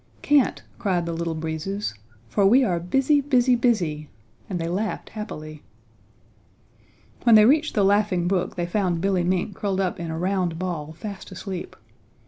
"Can't," cried the Little Breezes, "for we are busy, busy, busy," and they laughed happily. When they reached the Laughing Brook they found Billy Mink curled up in a round ball, fast asleep.